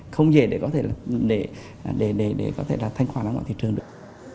không dễ để có thể thanh khoản ở ngoài thị trường được